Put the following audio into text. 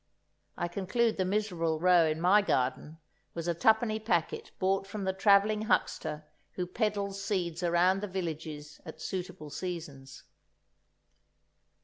I conclude the miserable row in my garden was a twopenny packet bought from the travelling huckster who peddles seeds around the villages at suitable seasons.